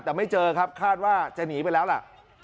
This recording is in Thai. แต่ไม่เจอครับคาดว่าจะหนีไปแล้วล่ะ